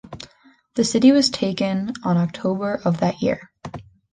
The city was taken on October of that year.